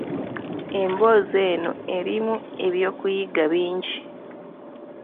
Emboozi eno erimu eby'okuyiga bingi.